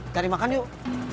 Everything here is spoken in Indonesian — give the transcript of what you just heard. pur tis cari makan yuk